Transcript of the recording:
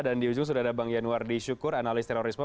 dan di ujung sudah ada bang yanwardi syukur analis terorisme